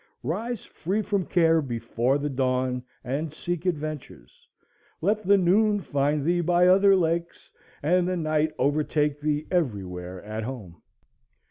Rise free from care before the dawn, and seek adventures. Let the noon find thee by other lakes, and the night overtake thee everywhere at home.